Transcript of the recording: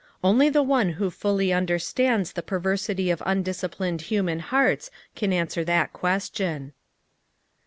Only the One who fully understands the perversity of undis ciplined human hearts can answer that ques tion.